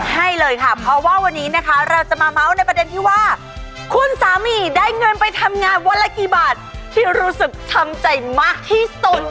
ให้เลยค่ะเพราะว่าวันนี้นะคะเราจะมาเมาส์ในประเด็นที่ว่าคุณสามีได้เงินไปทำงานวันละกี่บาทที่รู้สึกทำใจมากที่สุด